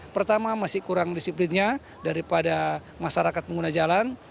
pertama masih kurang disiplinnya daripada masyarakat pengguna jalan